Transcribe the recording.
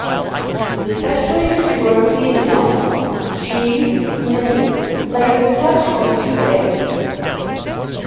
The sexually mature female "G. smithii" lays a clutch of two eggs.